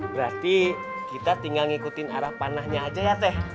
berarti kita tinggal ngikutin arah panahnya aja ya teh